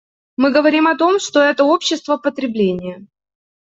Мы говорим о том, что это общество потребления.